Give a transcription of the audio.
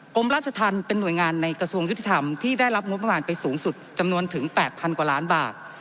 กรมราชธรรมเป็นหน่วยงานในกระทรวงยุติธรรมที่ได้รับงบประมาณไปสูงสุดจำนวนถึง๘๐๐กว่าล้านบาท